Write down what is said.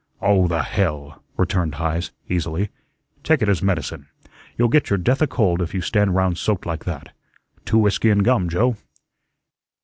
"Oh, the hell!" returned Heise, easily. "Take it as medicine. You'll get your death a cold if you stand round soaked like that. Two whiskey and gum, Joe."